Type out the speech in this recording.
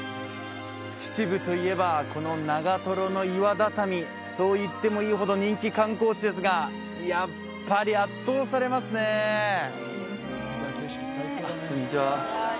秩父といえばこの長瀞の岩畳そう言ってもいいほど人気観光地ですがやっぱり圧倒されますねあっこんにちはこんにちは